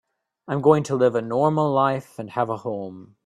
I'm going to live a normal life and have a home.